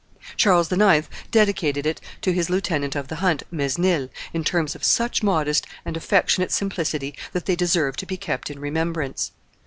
Charles IX. dedicated it to his lieutenant of the hunt, Mesnil, in terms of such modest and affectionate simplicity that they deserve to be kept in remembrance.